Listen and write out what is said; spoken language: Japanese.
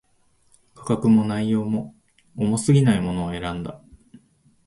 価格も、内容も、重過ぎないものを選んだ